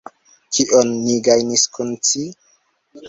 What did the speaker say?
Kion ni gajnis kun ci?